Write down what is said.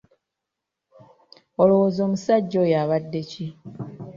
Olowooza omusajja oyo abadde ki?